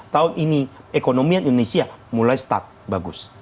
tahun ini ekonomi indonesia mulai stuck bagus